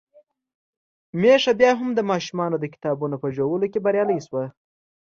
ميښه بيا هم د ماشومانو د کتابونو په ژولو کې بريالۍ شوه.